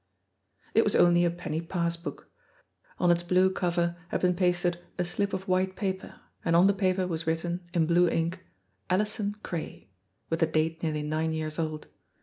It was only a penny pass book. On its blue cover had been pasted a slip of white paper, and on the paper was written, in blue ink, "Alison Cray," with a date nearly nine years old.